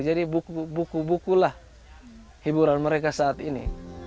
jadi buku buku lah hiburan mereka saat ini